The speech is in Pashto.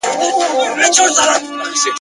درڅخه ځمه خوږو دوستانو ..